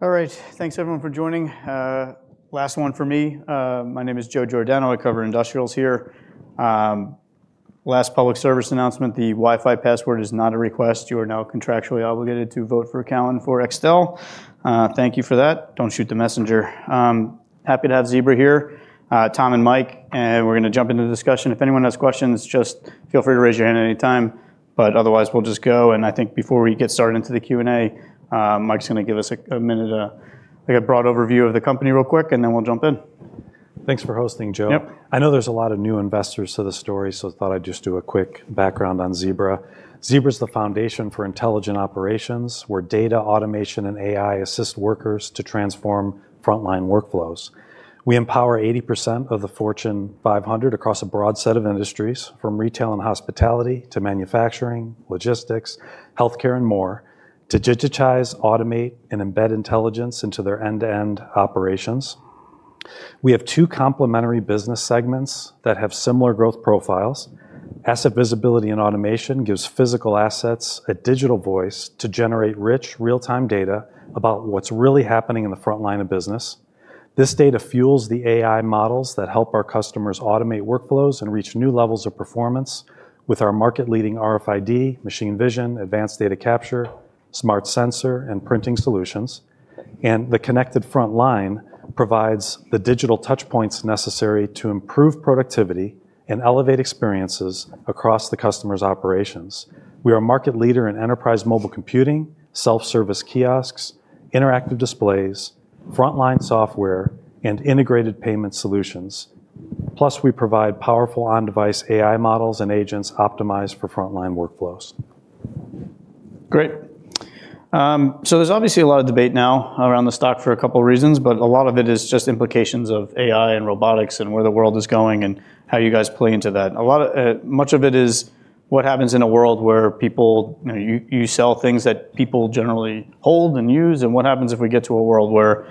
Cool. All right, thanks everyone for joining. Last one for me. My name is Joe Giordano. I cover industrials here. Last public service announcement, the Wi-Fi password is not a request. You are now contractually obligated to vote for Cowen for Extel. Thank you for that. Don't shoot the messenger. Happy to have Zebra here, Tom and Mike, and we're going to jump into the discussion. If anyone has questions, just feel free to raise your hand at any time, but otherwise, we'll just go, and I think before we get started into the Q&A, Mike's going to give us a minute, a broad overview of the company real quick, and then we'll jump in. Thanks for hosting, Joe. Yep. I know there's a lot of new investors to the story. Thought I'd just do a quick background on Zebra. Zebra's the foundation for intelligent operations, where data, automation, and AI assist workers to transform frontline workflows. We empower 80% of the Fortune 500 across a broad set of industries, from retail and hospitality to manufacturing, logistics, healthcare, and more, to digitize, automate, and embed intelligence into their end-to-end operations. We have two complementary business segments that have similar growth profiles. asset visibility and automation gives physical assets a digital voice to generate rich, real-time data about what's really happening in the front line of business. This data fuels the AI models that help our customers automate workflows and reach new levels of performance with our market-leading RFID, machine vision, advanced data capture, smart sensor, and printing solutions. The connected front line provides the digital touchpoints necessary to improve productivity and elevate experiences across the customer's operations. We are a market leader in enterprise mobile computing, self-service kiosks, interactive displays, frontline software, and integrated payment solutions. Plus, we provide powerful on-device AI models and agents optimized for frontline workflows. Great. There's obviously a lot of debate now around the stock for a couple of reasons, but a lot of it is just implications of AI and robotics and where the world is going and how you guys play into that. Much of it is what happens in a world where you sell things that people generally hold and use, and what happens if we get to a world where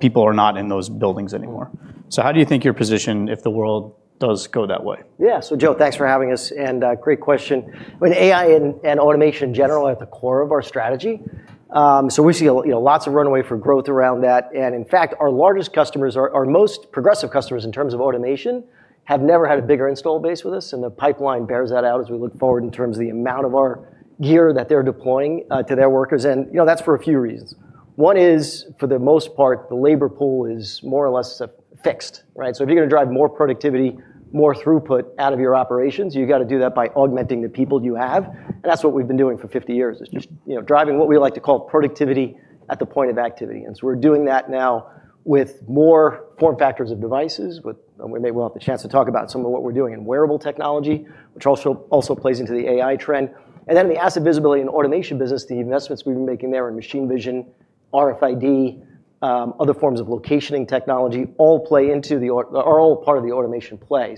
people are not in those buildings anymore. How do you think you're positioned if the world does go that way? Yeah. Joe, thanks for having us, and great question. I mean, AI and automation generally at the core of our. We see lots of runaway for growth around that, and in fact, our largest customers, our most progressive customers in terms of automation, have never had a bigger install base with us, and the pipeline bears that out as we look forward in terms of the amount of our gear that they're deploying to their workers, and that's for a few reasons. One is, for the most part, the labor pool is more or less fixed, right? If you're going to drive more productivity, more throughput out of your operations, you got to do that by augmenting the people you have, and that's what we've been doing for 50 years is just driving what we like to call productivity at the point of activity. We're doing that now with more form factors of devices. We may well have the chance to talk about some of what we're doing in wearable technology, which also plays into the AI trend. The asset visibility and automation business, the investments we've been making there in machine vision, RFID, other forms of locationing technology, are all part of the automation play.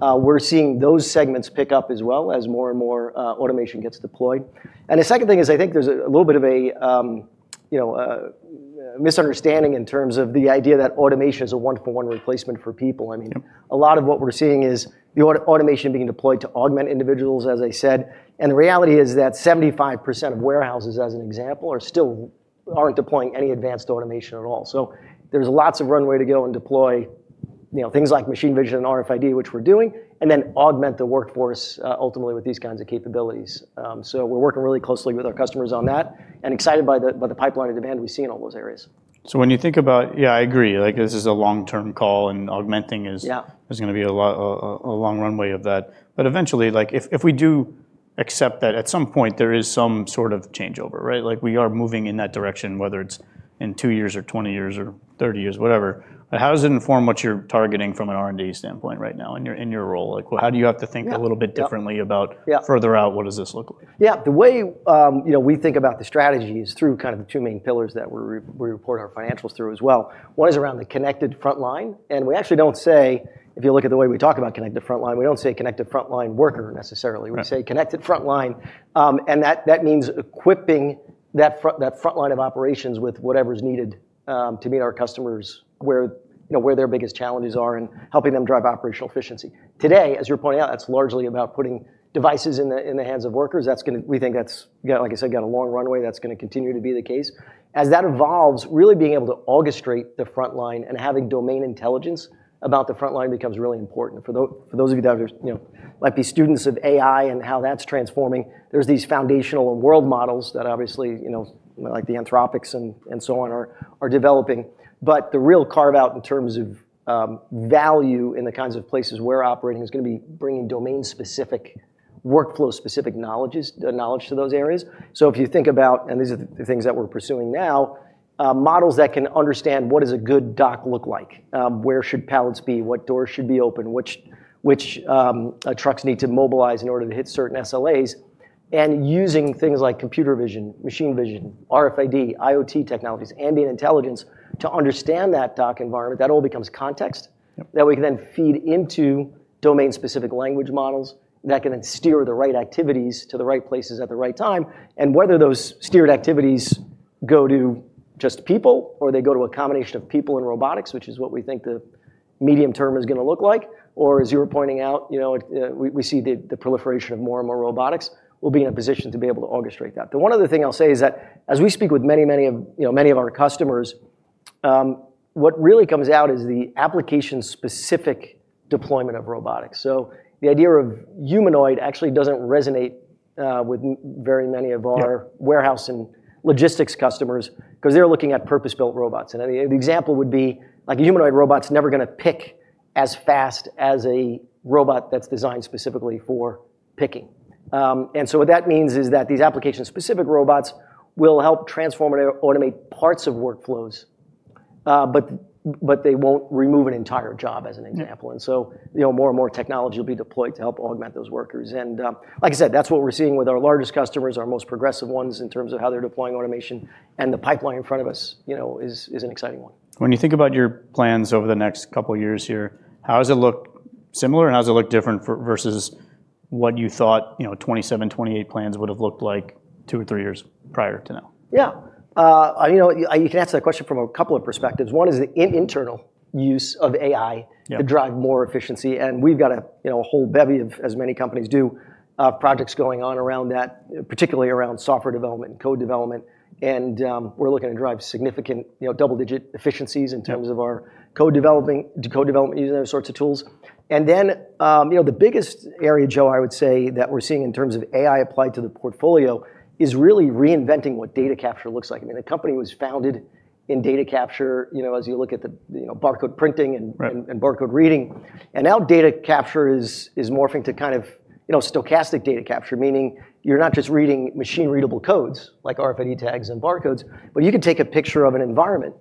We're seeing those segments pick up as well as more and more automation gets deployed. The second thing is, I think there's a little bit of a misunderstanding in terms of the idea that automation is a one-for-one replacement for people. I mean- Yep. A lot of what we're seeing is the automation being deployed to augment individuals, as I said. The reality is that 75% of warehouses, as an example, still aren't deploying any advanced automation at all. There's lots of runway to go and deploy things like machine vision and RFID, which we're doing, and then augment the workforce, ultimately, with these kinds of capabilities. We're working really closely with our customers on that and excited by the pipeline of demand we see in all those areas. Yeah, I agree. This is a long-term call, and augmenting is. Yeah. There's going to be a long runway of that. Eventually, if we do accept that at some point there is some sort of changeover, right? We are moving in that direction, whether it's in two years or 20 years or 30 years, whatever. How does it inform what you're targeting from an R&D standpoint right now in your role? How do you have to think? Yeah, A little bit differently about- Yeah. ...further out, what does this look like? Yeah. The way we think about the strategy is through kind of the two main pillars that we report our financials through as well. One is around the connected front line, and we actually don't say, if you look at the way we talk about connected front line, we don't say connected front line worker necessarily. Right. We say connected front line, that means equipping that front line of operations with whatever's needed to meet our customers where their biggest challenges are and helping them drive operational efficiency. Today, as you're pointing out, that's largely about putting devices in the hands of workers. We think that's, like I said, got a long runway. That's going to continue to be the case. As that evolves, really being able to orchestrate the front line and having domain intelligence about the front line becomes really important. For those of you that might be students of AI and how that's transforming, there's these foundational world models that obviously, like the Anthropic and so on, are developing. The real carve-out in terms of value in the kinds of places we're operating is going to be bringing domain-specific, workflow-specific knowledge to those areas. If you think about, these are the things that we're pursuing now, models that can understand what does a good dock look like, where should pallets be, what doors should be open, which trucks need to mobilize in order to hit certain SLAs, and using things like computer vision, machine vision, RFID, IoT technologies, ambient intelligence to understand that dock environment. That all becomes context.... Yep. ...that we can then feed into domain-specific language models that can then steer the right activities to the right places at the right time. Whether those steered activities go to just people, or they go to a combination of people and robotics, which is what we think the medium term is going to look like. As you were pointing out, we see the proliferation of more and more robotics. We'll be in a position to be able to orchestrate that. The one other thing I'll say is that as we speak with many of our customers, what really comes out is the application-specific deployment of robotics. The idea of humanoid actually doesn't really resonate with many of our... Yeah. ....warehouse and logistics customers, because they're looking at purpose-built robots. The example would be a humanoid robot's never going to pick as fast as a robot that's designed specifically for picking. What that means is that these application-specific robots will help transform and automate parts of workflows, but they won't remove an entire job as an example. Yeah. More and more technology will be deployed to help augment those workers. Like I said, that's what we're seeing with our largest customers, our most progressive ones, in terms of how they're deploying automation. The pipeline in front of us is an exciting one. When you think about your plans over the next couple of years here, how does it look similar and how does it look different versus what you thought 2027, 2028 plans would have looked like two or three years prior to now? Yeah. You can answer that question from a couple of perspectives. One is the internal use of AI- Yeah. To drive more efficiency, and we've got a whole bevy, as many companies do, of projects going on around that, particularly around software development and code development. We're looking to drive significant double-digit efficiencies in terms of our code development using those sorts of tools. The biggest area, Joe, I would say, that we're seeing in terms of AI applied to the portfolio is really reinventing what data capture looks like. The company was founded in data capture, as you look at the barcode printing. Right. Barcode reading, now data capture is morphing to kind of stochastic data capture, meaning you're not just reading machine-readable codes like RFID tags and barcodes, but you can take a picture of an environment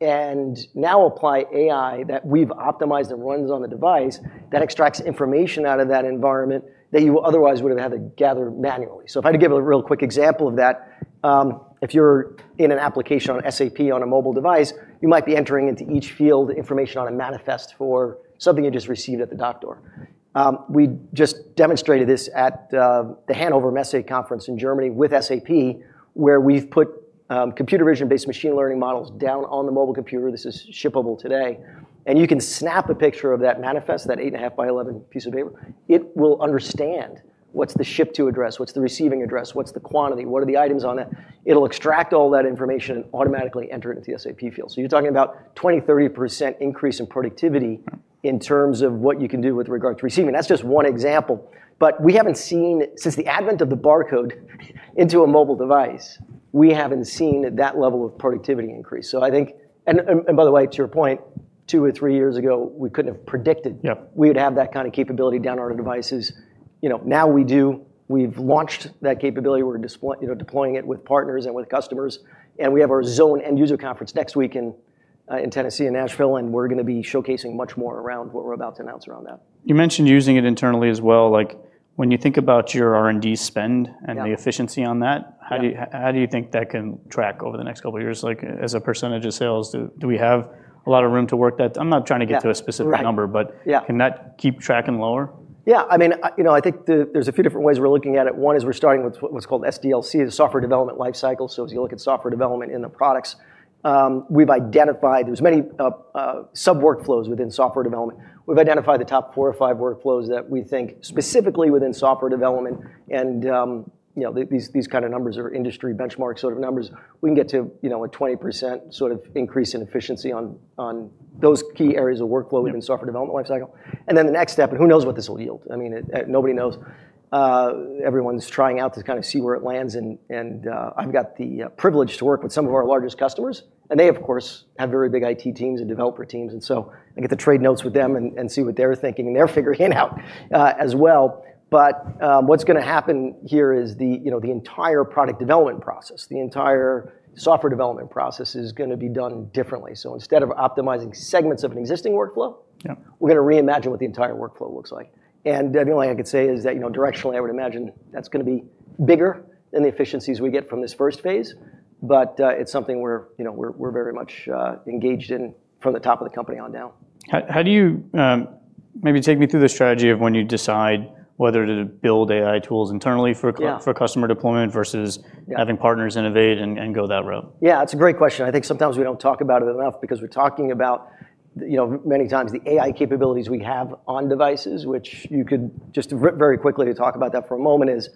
and now apply AI that we've optimized that runs on the device that extracts information out of that environment that you otherwise would've had to gather manually. If I had to give a real quick example of that, if you're in an application on SAP on a mobile device, you might be entering into each field information on a manifest for something you just received at the dock door. We just demonstrated this at the Hannover Messe conference in Germany with SAP, where we've put computer vision-based machine learning models down on the mobile computer. This is shippable today. You can snap a picture of that manifest, that 8.5 by 11 piece of paper. It will understand what's the ship-to address, what's the receiving address, what's the quantity, what are the items on it. It'll extract all that information and automatically enter it into the SAP field. You're talking about 20%, 30% increase in productivity in terms of what you can do with regard to receiving. That's just one example. We haven't seen, since the advent of the barcode into a mobile device, we haven't seen that level of productivity increase. By the way, to your point, two or three years ago, we couldn't have predicted. Yeah. We would have that kind of capability down on our devices. Now we do. We've launched that capability. We're deploying it with partners and with customers, and we have our ZONE end user conference next week in Tennessee in Nashville, and we're going to be showcasing much more around what we're about to announce around that. You mentioned using it internally as well. When you think about your R&D spend. Yeah The efficiency on that. Yeah. How do you think that can track over the next couple of years, as a percentage of sales? Do we have a lot of room to work that? I'm not trying to get to a specific- Yeah. Right. ...number, but- Yeah. Can that keep tracking lower? Yeah. I think there's a few different ways we're looking at it. One is we're starting with what's called SDLC, the Software Development Lifecycle. As you look at software development in the products, we've identified there's many sub workflows within software development. We've identified the top four or five workflows that we think specifically within software development, and these kind of numbers are industry benchmark sort of numbers. We can get to a 20% increase in efficiency on those key areas of workflow within software development life cycle. Then the next step, and who knows what this will yield. Nobody knows. Everyone's trying out to kind of see where it lands and I've got the privilege to work with some of our largest customers, and they of course, have very big IT teams and developer teams and so I get to trade notes with them and see what they're thinking and they're figuring it out as well. What's going to happen here is the entire product development process, the entire software development process is going to be done differently. Yeah. We're going to reimagine what the entire workflow looks like. The only thing I could say is that directionally I would imagine that's going to be bigger than the efficiencies we get from this first phase. It's something we're very much engaged in from the top of the company on down. Maybe take me through the strategy of when you decide whether to build AI tools internally for? Yeah. Customer deployment versus- Yeah. ...having partners innovate and go that route. Yeah. It's a great question. I think sometimes we don't talk about it enough because we're talking about many times the AI capabilities we have on devices, which you could just very quickly to talk about that for a moment, is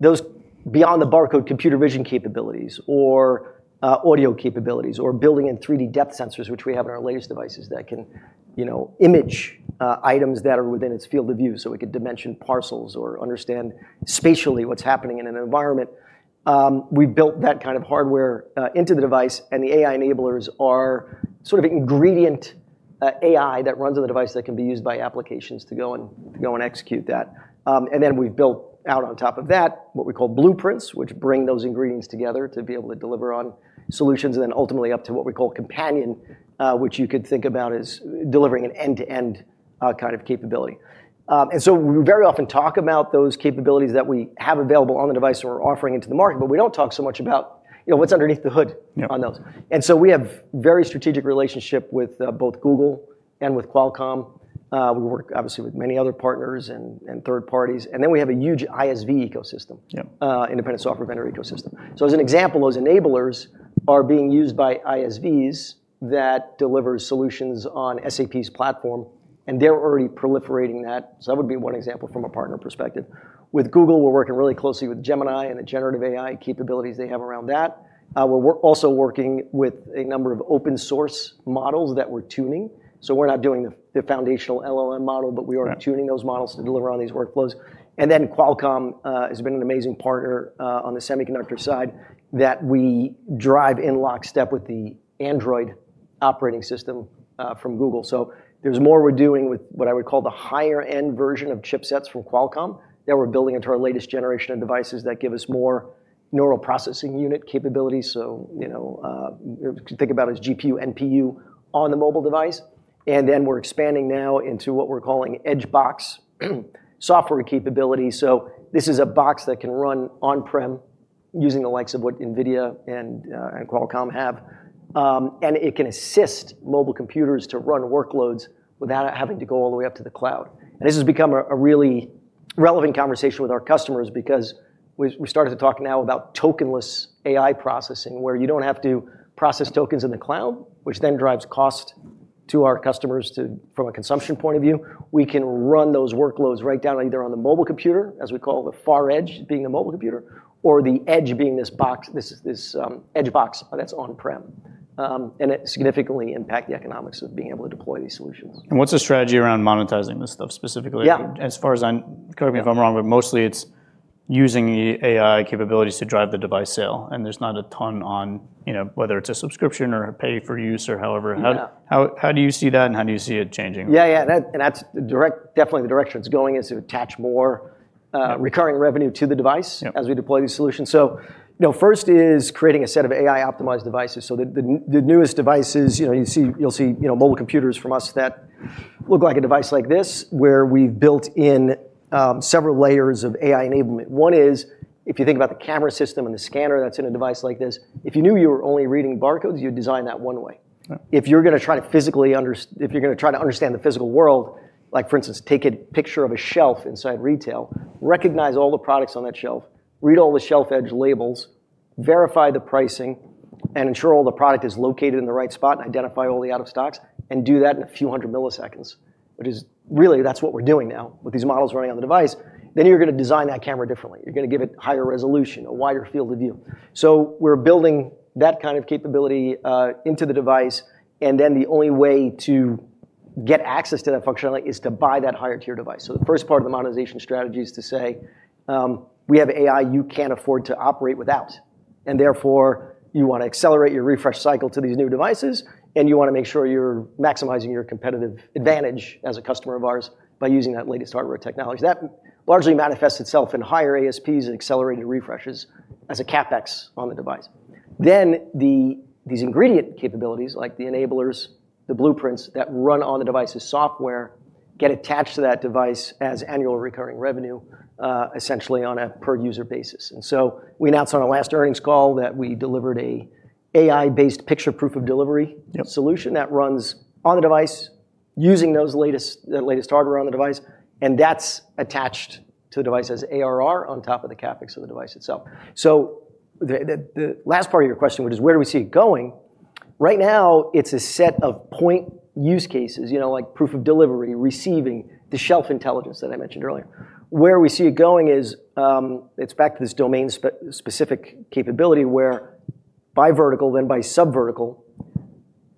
those beyond the barcode computer vision capabilities or audio capabilities or building in 3D depth sensors, which we have in our latest devices that can image items that are within its field of view, so we could dimension parcels or understand spatially what's happening in an environment. We've built that kind of hardware into the device, and the AI Enablers are sort of ingredient AI that runs on the device that can be used by applications to go and execute that. Then we've built out on top of that what we call blueprints, which bring those ingredients together to be able to deliver on solutions and then ultimately up to what we call companion, which you could think about as delivering an end-to-end kind of capability. So we very often talk about those capabilities that we have available on the device or offering into the market, but we don't talk so much about what's underneath the hood- Yeah. ..on those. We have very strategic relationship with both Google and with Qualcomm. We work obviously with many other partners and third parties. We have a huge ISV ecosystem. Yep. Independent Software Vendor ecosystem. As an example, those enablers are being used by ISVs that deliver solutions on SAP's platform. They are already proliferating that. That would be one example from a partner perspective. With Google, we are working really closely with Gemini and the generative AI capabilities they have around that. We are also working with a number of open source models that we are tuning. We are not doing the foundational LLM model- Right. ...tuning those models to deliver on these workflows. Qualcomm has been an amazing partner on the semiconductor side that we drive in lockstep with the Android operating system from Google. There's more we're doing with what I would call the higher-end version of chipsets from Qualcomm that we're building into our latest generation of devices that give us more neural processing unit capabilities. You could think about as GPU, NPU on the mobile device. We're expanding now into what we're calling edge box software capability. This is a box that can run on-prem using the likes of what NVIDIA and Qualcomm have. It can assist mobile computers to run workloads without having to go all the way up to the cloud. This has become a really relevant conversation with our customers because we started to talk now about tokenless AI processing, where you don't have to process tokens in the cloud, which then drives cost to our customers from a consumption point of view. We can run those workloads right down, either on the mobile computer, as we call the far edge being a mobile computer, or the edge being this edge box that's on-prem. It significantly impact the economics of being able to deploy these solutions. What's the strategy around monetizing this stuff specifically? Yeah. Correct me if I'm wrong, but mostly it's using the AI capabilities to drive the device sale, and there's not a ton on whether it's a subscription or a pay for use or however. Yeah. How do you see that and how do you see it changing? Yeah. That's definitely the direction it's going is to attach more recurring revenue to the device- Yeah. ...as we deploy these solutions. First is creating a set of AI-optimized devices. The newest devices, you'll see mobile computers from us that look like a device like this, where we've built in several layers of AI enablement. One is, if you think about the camera system and the scanner that's in a device like this, if you knew you were only reading barcodes, you'd design that one way. Yeah. If you're going to try to understand the physical world, like for instance, take a picture of a shelf inside retail, recognize all the products on that shelf, read all the shelf edge labels, verify the pricing, and ensure all the product is located in the right spot, and identify all the out-of-stocks, and do that in a few hundred milliseconds, which is really that's what we're doing now with these models running on the device, then you're going to design that camera differently. You're going to give it higher resolution, a wider field of view. We're building that kind of capability into the device, and then the only way to get access to that functionality is to buy that higher tier device. The first part of the monetization strategy is to say, "We have AI you can't afford to operate without, and therefore you want to accelerate your refresh cycle to these new devices, and you want to make sure you're maximizing your competitive advantage as a customer of ours by using that latest hardware technology." That largely manifests itself in higher ASPs and accelerated refreshes as a CapEx on the device. These ingredient capabilities, like the enablers, the blueprints that run on the device's software, get attached to that device as annual recurring revenue, essentially on a per user basis. We announced on our last earnings call that we delivered an AI-based picture proof of delivery- Yep ...solution that runs on the device using that latest hardware on the device, and that's attached to the device as ARR on top of the CapEx of the device itself. The last part of your question, which is where do we see it going? Right now, it's a set of point use cases, like proof of delivery, receiving, the shelf intelligence that I mentioned earlier. Where we see it going is, it's back to this domain-specific capability where by vertical then by sub-vertical,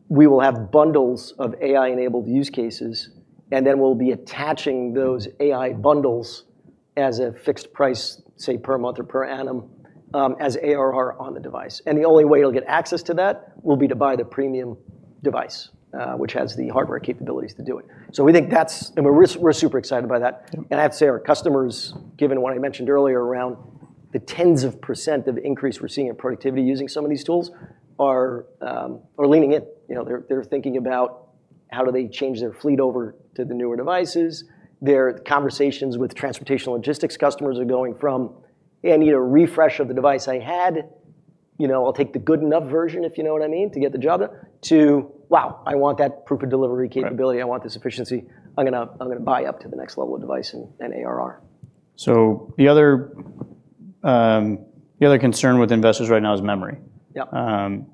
we will have bundles of AI-enabled use cases, and then we'll be attaching those AI bundles as a fixed price, say per month or per annum, as ARR on the device. The only way you'll get access to that will be to buy the premium device, which has the hardware capabilities to do it. We're super excited by that. Yeah. I have to say, our customers, given what I mentioned earlier around the tens of percent of increase we're seeing in productivity using some of these tools, are leaning in. They're thinking about how do they change their fleet over to the newer devices. Their conversations with transportation logistics customers are going from, "I need a refresh of the device I had. I'll take the good enough version, if you know what I mean, to get the job done," to, "Wow, I want that proof of delivery capability. Right. I want this efficiency. I'm going to buy up to the next level of device and ARR. The other concern with investors right now is memory. Yep. Can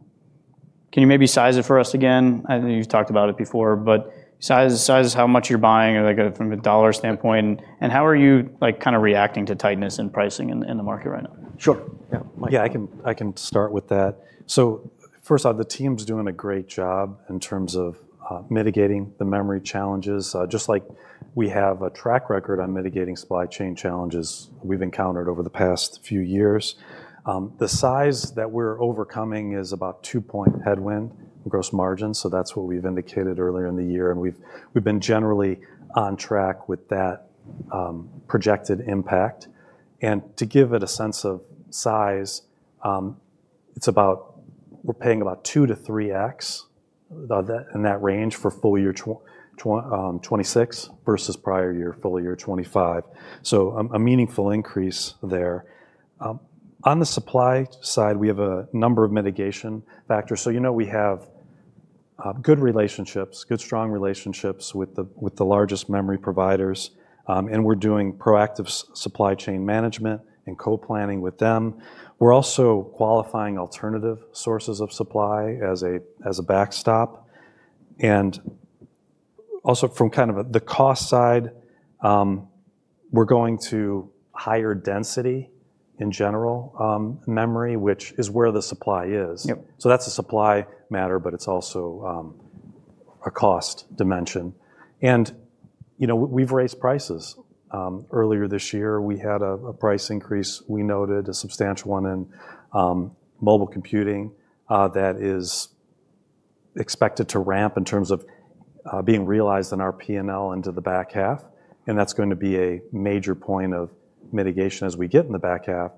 you maybe size it for us again? I know you've talked about it before, but size how much you're buying from a dollar standpoint, and how are you reacting to tightness in pricing in the market right now? Sure. Yeah. Mike? Yeah, I can start with that. First off, the team's doing a great job in terms of mitigating the memory challenges. Just like we have a track record on mitigating supply chain challenges we've encountered over the past few years. The size that we're overcoming is about two point headwind gross margin. That's what we've indicated earlier in the year, and we've been generally on track with that projected impact. To give it a sense of size, we're paying about 2x-3x, in that range, for full year 2026 versus prior year full year 2025. A meaningful increase there. On the supply side, we have a number of mitigation factors. We have good relationships, good, strong relationships with the largest memory providers, and we're doing proactive supply chain management and co-planning with them. We're also qualifying alternative sources of supply as a backstop. Also from the cost side, we're going to higher density in general, memory, which is where the supply is. Yep. That's a supply matter, but it's also a cost dimension. We've raised prices. Earlier this year, we had a price increase. We noted a substantial one in mobile computing that is expected to ramp in terms of being realized in our P&L into the back half, and that's going to be a major point of mitigation as we get in the back half.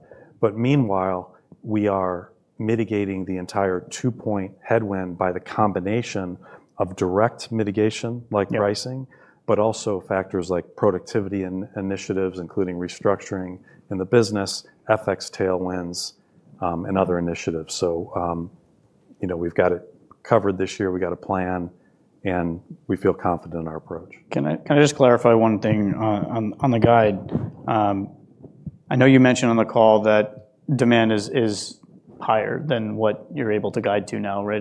Meanwhile, we are mitigating the entire two-point headwind by the combination of direct mitigation, like pricing- Yep. Also factors like productivity initiatives, including restructuring in the business, FX tailwinds, and other initiatives. We've got it covered this year. We've got a plan, and we feel confident in our approach. Can I just clarify one thing on the guide? I know you mentioned on the call that demand is higher than what you're able to guide to now, right?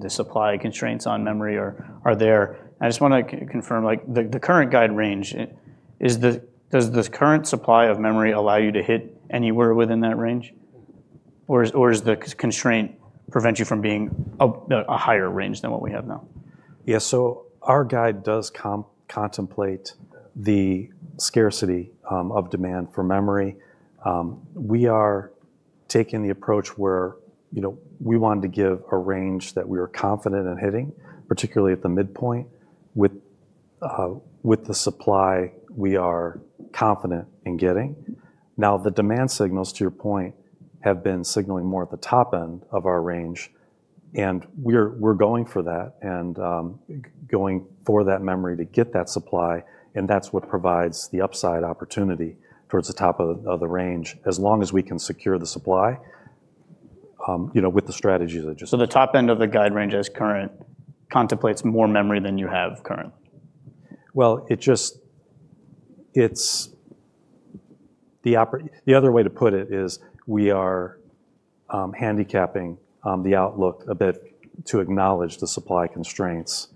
The supply constraints on memory are there. I just want to confirm, the current guide range, does the current supply of memory allow you to hit anywhere within that range? Does the constraint prevent you from being a higher range than what we have now? Yeah. Our guide does contemplate the scarcity of demand for memory. We are taking the approach where we wanted to give a range that we are confident in hitting, particularly at the midpoint, with the supply we are confident in getting. The demand signals, to your point, have been signaling more at the top end of our range, and we're going for that, and going for that memory to get that supply, and that's what provides the upside opportunity towards the top of the range, as long as we can secure the supply. The top end of the guide range as current contemplates more memory than you have currently? The other way to put it is we are handicapping the outlook a bit to acknowledge the supply constraints,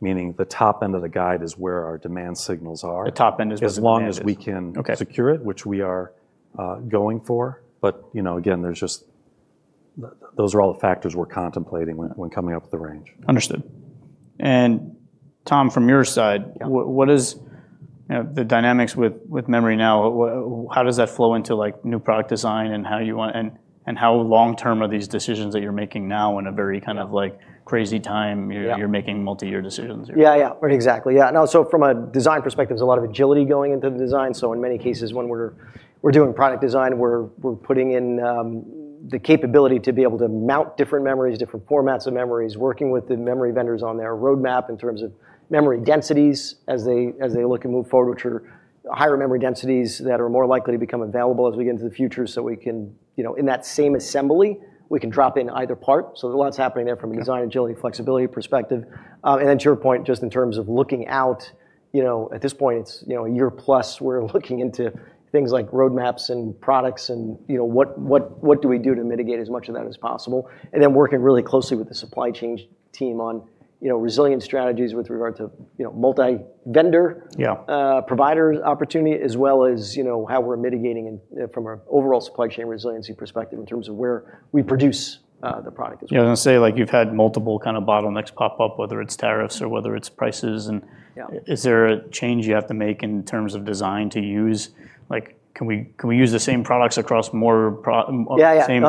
meaning the top end of the guide is where our demand signals are. The top end is where. As long as we can- Okay ..secure it, which we are going for. Again, those are all the factors we're contemplating when coming up with the range. Understood. Tom, from your side. Yeah What is the dynamics with memory now? How does that flow into new product design, and how long-term are these decisions that you're making now in a very kind of crazy time? Yeah. You're making multi-year decisions here. Yeah. Exactly. Yeah. No, from a design perspective, there's a lot of agility going into the design. In many cases when we're doing product design, we're putting in the capability to be able to mount different memories, different formats of memories, working with the memory vendors on their roadmap in terms of memory densities as they look and move forward, which are higher memory densities that are more likely to become available as we get into the future. In that same assembly, we can drop in either part. A lot's happening there from a design agility, flexibility perspective. To your point, just in terms of looking out, at this point, it's a year plus, we're looking into things like roadmaps and products and what do we do to mitigate as much of that as possible. Working really closely with the supply chain team on resilient strategies with regard to multi-vendor- Yeah. ...provider opportunity as well as how we're mitigating from our overall supply chain resiliency perspective in terms of where we produce the product as well. Yeah. I was going to say, you've had multiple bottlenecks pop up, whether it's tariffs or whether it's prices. Yeah. Is there a change you have to make in terms of design? Can we use the same products across more? Yeah. Yeah. same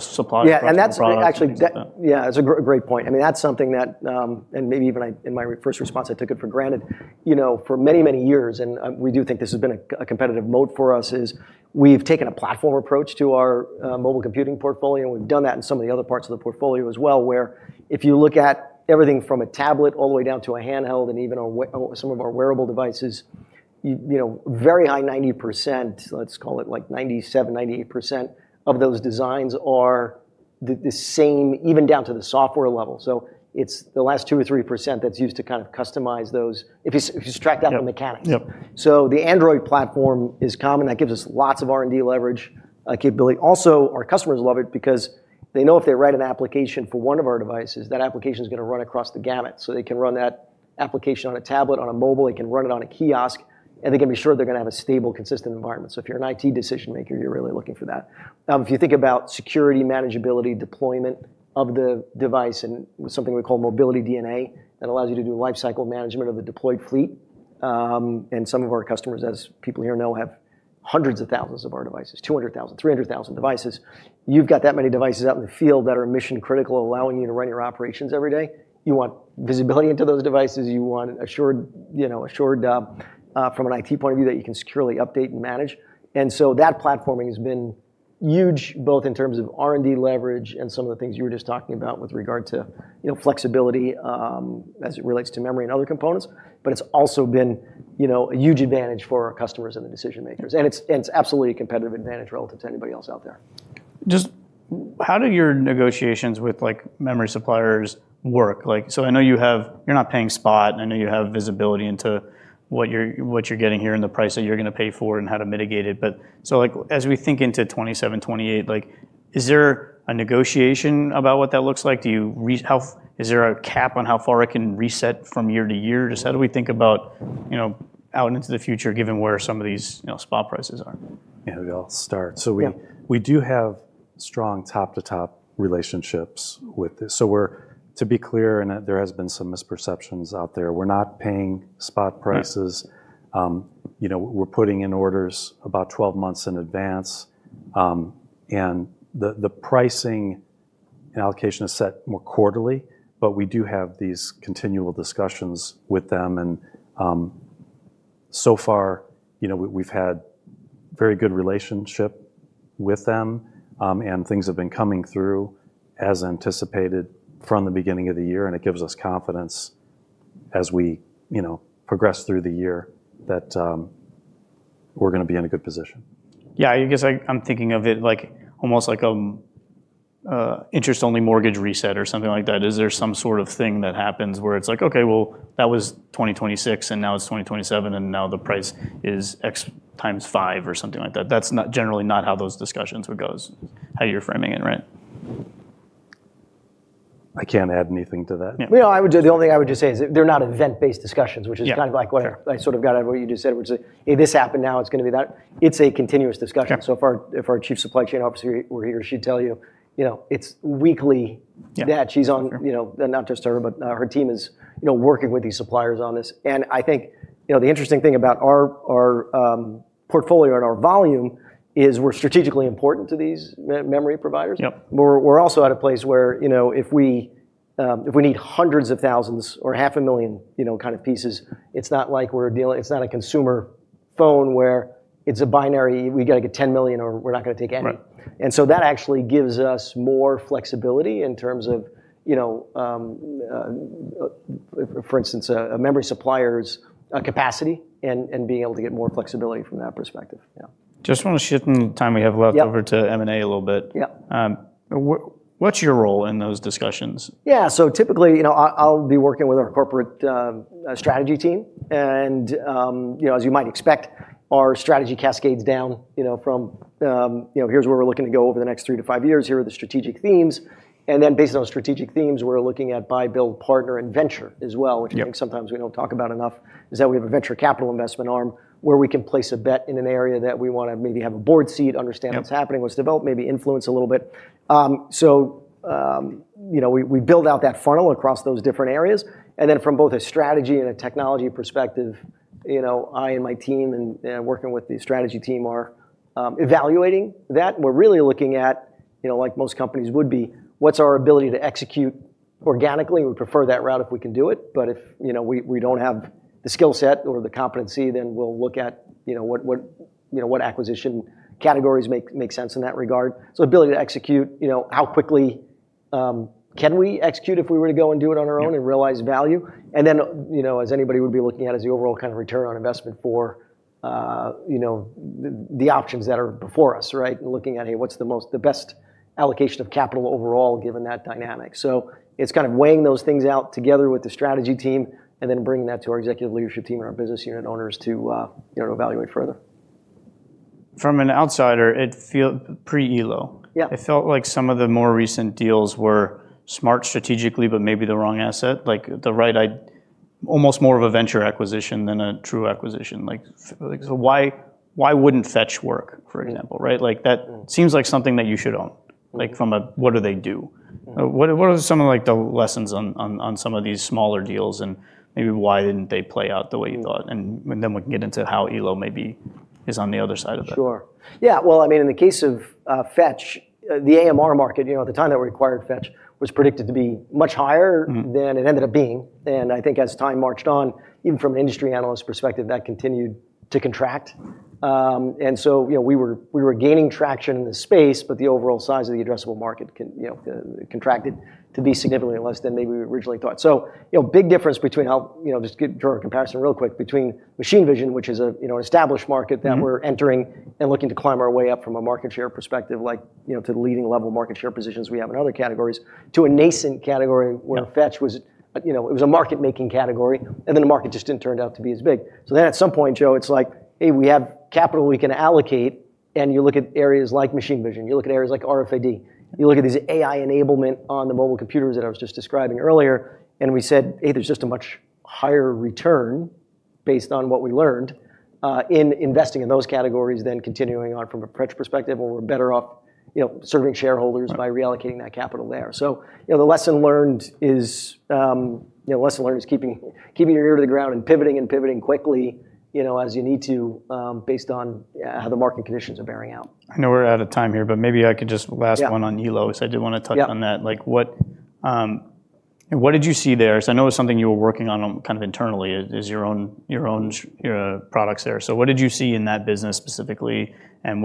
supply- Yeah ...production products and things like that? Yeah. It's a great point. That's something that, and maybe even in my first response, I took it for granted. For many, many years, and we do think this has been a competitive moat for us, is we've taken a platform approach to our mobile computing portfolio, and we've done that in some of the other parts of the portfolio as well, where if you look at everything from a tablet all the way down to a handheld and even on some of our wearable devices, very high, 90%, let's call it like 97%, 98% of those designs are the same, even down to the software level. It's the last 2% or 3% that's used to kind of customize those if you subtract out the mechanics. Yep. Yep. The Android platform is common. That gives us lots of R&D leverage capability. Also, our customers love it because they know if they write an application for one of our devices, that application's going to run across the gamut. They can run that application on a tablet, on a mobile, they can run it on a kiosk, and they can be sure they're going to have a stable, consistent environment. If you're an IT decision-maker, you're really looking for that. If you think about security, manageability, deployment of the device, and something we call Mobility DNA, that allows you to do lifecycle management of the deployed fleet. Some of our customers, as people here know, have hundreds of thousands of our devices, 200,000, 300,000 devices. You've got that many devices out in the field that are mission-critical, allowing you to run your operations every day. You want visibility into those devices. You want assured, from an IT point of view, that you can securely update and manage. That platforming has been huge, both in terms of R&D leverage and some of the things you were just talking about with regard to flexibility as it relates to memory and other components. It's also been a huge advantage for our customers and the decision-makers, and it's absolutely a competitive advantage relative to anybody else out there. Just how do your negotiations with memory suppliers work? I know you're not paying spot, and I know you have visibility into what you're getting here and the price that you're going to pay for it and how to mitigate it. As we think into 2027, 2028, is there a negotiation about what that looks like? Is there a cap on how far it can reset from year to year? Just how do we think about out into the future, given where some of these spot prices are? Yeah. I'll start. Yeah. We do have strong top-to-top relationships with this. To be clear, and there has been some misperceptions out there, we're not paying spot prices. We're putting in orders about 12 months in advance. The pricing and allocation is set more quarterly, but we do have these continual discussions with them. So far, we've had very good relationship with them. Things have been coming through as anticipated from the beginning of the year, and it gives us confidence as we progress through the year that we're going to be in a good position. Yeah. I guess I'm thinking of it almost like an interest-only mortgage reset or something like that. Is there some sort of thing that happens where it's like, "Okay, well, that was 2026, and now it's 2027, and now the price is X times five," or something like that? That's generally not how those discussions would go, how you're framing it, right? I can't add anything to that. Yeah. Well, the only thing I would just say is that they're not event-based discussions. Yeah. Sure. which is kind of like what I sort of got out of what you just said, which is, "Hey, this happened, now it's going to be that." It's a continuous discussion. Sure. If our Chief Supply Chain Officer were here, she'd tell you it's weekly. Yeah that she's on, not just her, but her team is working with these suppliers on this. I think the interesting thing about our portfolio and our volume is we're strategically important to these memory providers. Yep. We're also at a place where if we need hundreds of thousands or half a million pieces, it's not a consumer phone where it's a binary, we got to get 10 million or we're not going to take any. Right. That actually gives us more flexibility in terms of, for instance, a memory supplier's capacity and being able to get more flexibility from that perspective. Yeah. Just want to shift, in the time we have left- Yeah. ...over to M&A a little bit. Yeah. What's your role in those discussions? Yeah. Typically, I'll be working with our corporate strategy team, as you might expect, our strategy cascades down from, "Here's where we're looking to go over the next three to five years. Here are the strategic themes." Based on those strategic themes, we're looking at buy, build, partner, and venture as well. Yep which I think sometimes we don't talk about enough, is that we have a venture capital investment arm where we can place a bet in an area that we want to maybe have a board seat- Yep. ...understands what's happening, what's developed, maybe influence a little bit. We build out that funnel across those different areas. From both a strategy and a technology perspective, I and my team, and working with the strategy team, are evaluating that. We're really looking at, like most companies would be, what's our ability to execute organically? We would prefer that route if we can do it, but if we don't have the skill set or the competency, then we'll look at what acquisition categories make sense in that regard. Ability to execute, how quickly can we execute if we were to go and do it on our own and realize value? As anybody would be looking at, is the overall return on investment for the options that are before us, right? Looking at, hey, what's the best allocation of capital overall given that dynamic? It's kind of weighing those things out together with the strategy team and then bringing that to our executive leadership team and our business unit owners to evaluate further. From an outsider, pre-Elo. Yeah. It felt like some of the more recent deals were smart strategically, but maybe the wrong asset. Almost more of a venture acquisition than a true acquisition. Like, why wouldn't Fetch work, for example, right? That seems like something that you should own. Like from a what do they do. What are some of the lessons on some of these smaller deals and maybe why didn't they play out the way you thought? We can get into how Elo maybe is on the other side of that. Sure. Yeah. Well, in the case of Fetch, the AMR market at the time that we acquired Fetch was predicted to be much higher than it ended up being. I think as time marched on, even from an industry analyst perspective, that continued to contract. We were gaining traction in the space, but the overall size of the addressable market contracted to be significantly less than maybe we originally thought. Big difference between how, just to draw a comparison real quick, between machine vision, which is an established market that we're entering and looking to climb our way up from a market share perspective to the leading level market share positions we have in other categories, to a nascent category where Fetch was a market-making category, and then the market just didn't turn out to be as big. At some point, Joe, it's like, "Hey, we have capital we can allocate." You look at areas like machine vision, you look at areas like RFID, you look at these AI enablement on the mobile computers that I was just describing earlier, and we said, hey, there's just a much higher return based on what we learned in investing in those categories than continuing on from a Fetch perspective, where we're better off serving shareholders by reallocating that capital there. The lesson learned is keeping your ear to the ground and pivoting and pivoting quickly as you need to based on how the market conditions are bearing out. I know we're out of time here, but maybe I could just, last one on Elo. I did want to touch on that. Yeah. What did you see there? I know it was something you were working on kind of internally as your own products there. What did you see in that business specifically, and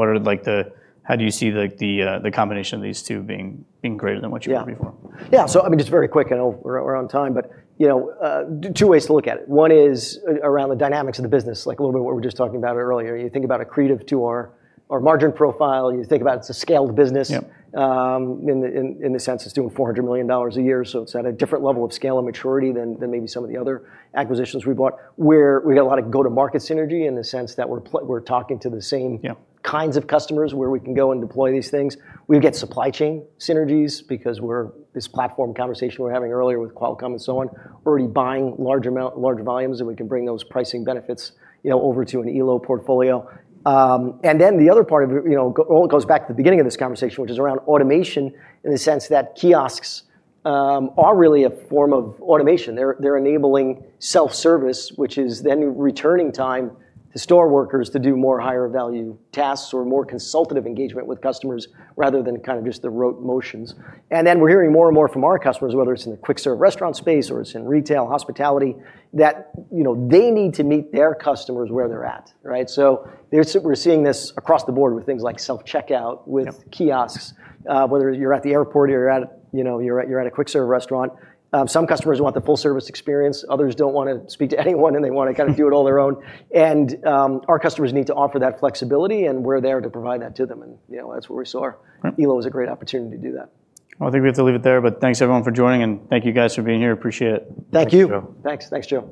how do you see the combination of these two being greater than what you had before? Yeah. Just very quick, I know we're on time, but two ways to look at it. One is around the dynamics of the business, like a little bit what we were just talking about earlier. You think about accretive to our margin profile. You think about it's a scaled business- Yep. ...in the sense it's doing $400 million a year, it's at a different level of scale and maturity than maybe some of the other acquisitions we bought, where we got a lot of go-to-market synergy in the sense that we're talking to the same. Yep. kinds of customers where we can go and deploy these things. We get supply chain synergies because this platform conversation we were having earlier with Qualcomm and so on, we're already buying large volumes, and we can bring those pricing benefits over to an Elo portfolio. The other part of it all goes back to the beginning of this conversation, which is around automation in the sense that kiosks are really a form of automation. They're enabling self-service, which is then returning time to store workers to do more higher-value tasks or more consultative engagement with customers, rather than kind of just the rote motions. We're hearing more and more from our customers, whether it's in the quick-serve restaurant space or it's in retail, hospitality, that they need to meet their customers where they're at, right? We're seeing this across the board with things like self-checkout. Yep. with kiosks, whether you're at the airport or you're at a quick-serve restaurant. Some customers want the full-service experience. Others don't want to speak to anyone, and they want to kind of do it on their own. Our customers need to offer that flexibility, and we're there to provide that to them, and that's where we saw Elo as a great opportunity to do that. I think we have to leave it there, but thanks, everyone, for joining, and thank you guys for being here. Appreciate it. Thank you. Thanks, Joe. Thanks, Joe